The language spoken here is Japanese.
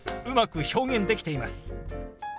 うまく表現できています。